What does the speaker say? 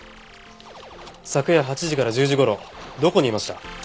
昨夜８時から１０時頃どこにいました？